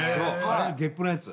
ゲップのやつ？